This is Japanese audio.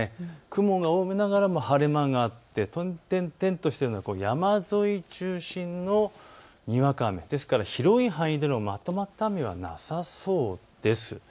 雲が多めながらも晴れ間があって点々としているのは山沿い中心のにわか雨、ですから広い範囲でのまとまった雨はなさそうです。